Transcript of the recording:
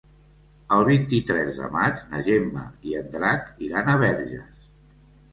El vint-i-tres de maig na Gemma i en Drac iran a Verges.